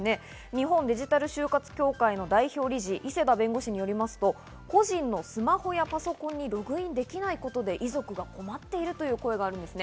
日本デジタル終活協会の代表理事・伊勢田弁護士によりますと個人のスマホやパソコンにログインできないことで遺族が困っているという声があります。